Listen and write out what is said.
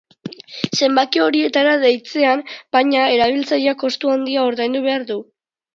Zenbaki horietara deitzean, baina, erabiltzaileak kostu handia ordaindu behar du.